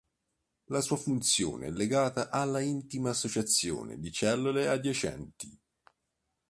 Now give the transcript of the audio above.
La sua funzione è legata alla intima associazione di cellule adiacenti.